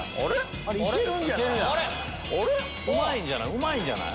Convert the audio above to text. うまいんじゃない？